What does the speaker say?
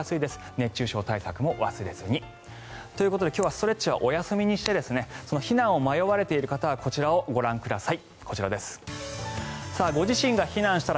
熱中症対策も忘れずに。ということで今日はストレッチはお休みにして避難を迷われている方はこちらをご覧ください。